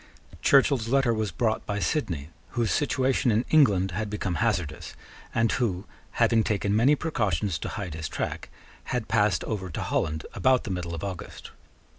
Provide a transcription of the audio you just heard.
Churchill's letter was brought by Sidney, whose situation in England had become hazardous, and who, having taken many precautions to hide his track, had passed over to Holland about the middle of August.